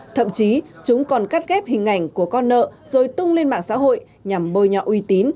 thậm chí chúng còn cắt ghép hình ảnh của con nợ rồi tung lên mạng xã hội nhằm bôi nhọ uy tín